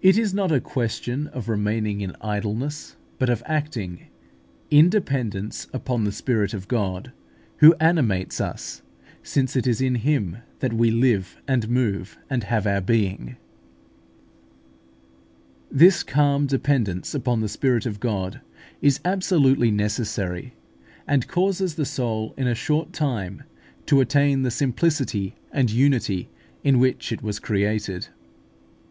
It is not then a question of remaining in idleness, but of acting in dependence upon the Spirit of God, who animates us, since it is in Him that "we live, and move, and have our being" (Acts xvii. 23). This calm dependence upon the Spirit of God is absolutely necessary, and causes the soul in a short time to attain the simplicity and unity in which it was created.